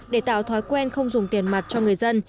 để tạo thói quen không dùng tiền mặt cho người dân